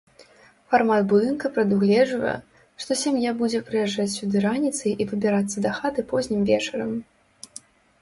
Фармат будынка прадугледжвае, што сям'я будзе прыязджаць сюды раніцай і выбірацца дахаты познім вечарам.